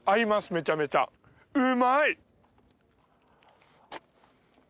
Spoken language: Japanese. めちゃめちゃうまい！